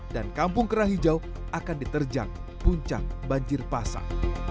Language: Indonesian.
dan kampung kerah hijau akan diterjang puncak banjir pasar